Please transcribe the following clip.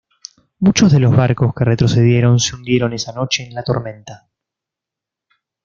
Muchos de los barcos que retrocedieron se hundieron esa noche en la tormenta.